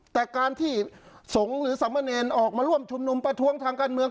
แต่การที่สงฆ์หรือสามเณรออกมาร่วมชุมนุมประท้วงทางการเมือง